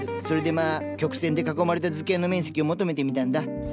それでまあ曲線で囲まれた図形の面積を求めてみたんだ。